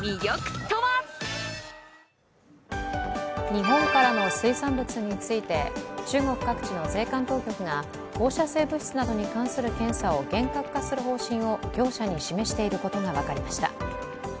日本からの水産物について中国各地の税関当局が放射性物質などに関する検査を厳格化する方針を業者に示していることが分かりました。